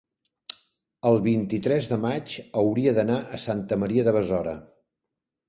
el vint-i-tres de maig hauria d'anar a Santa Maria de Besora.